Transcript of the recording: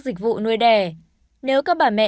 dịch vụ nuôi đẻ nếu các bà mẹ